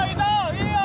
いいよ！